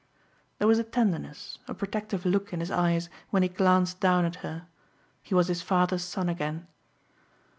There was a tenderness, a protective look in his eyes when he glanced down at her. He was his father's son again.